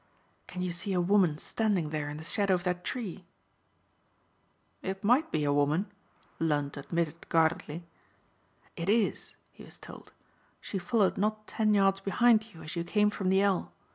"Can you see a woman standing there in the shadow of that tree?" "It might be a woman," Lund admitted guardedly. "It is," he was told; "she followed not ten yards behind you as you came from the El.